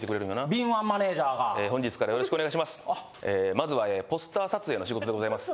まずはポスター撮影の仕事でございます。